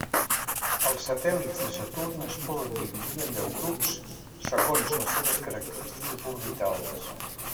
Els satèl·lits de Saturn es poden dividir en deu grups segons les seves característiques orbitals.